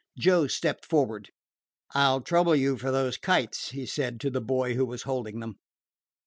Joe stepped forward. "I 'll trouble you for those kites," he said to the boy who was holding them.